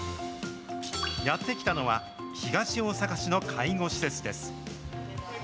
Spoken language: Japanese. やって来たのは、東大阪市の介護施設です。